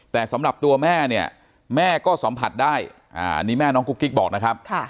แต่สำหรับตัวแม่เนี่ยแม่ก็สัมผัสได้อันนี้แม่น้องกุ๊กกิ๊กบอกนะครับ